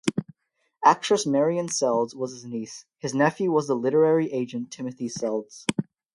Actress Marian Seldes was his niece; his nephew was the literary agent Timothy Seldes.